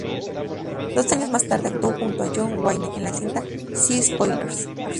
Dos años más tarde actuó junto a John Wayne en la cinta "Sea Spoilers".